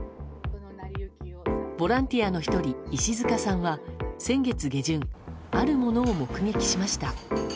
ボランティアの１人石塚さんは先月下旬あるものを目撃しました。